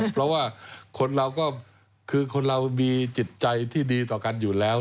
เพราะว่าคนเราก็คือคนเรามีจิตใจที่ดีต่อกันอยู่แล้ว